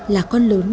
là con lớn